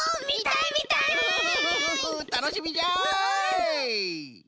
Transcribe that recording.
たのしみじゃい！